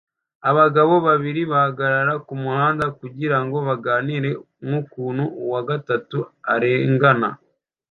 Abagabo babiri bahagarara kumuhanda kugirango baganire nkuko uwa gatatu arengana